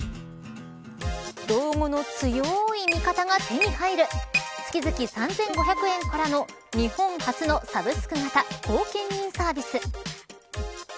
老後の強い味方が手に入る月々３５００円からの日本初のサブスク型後見人サービス。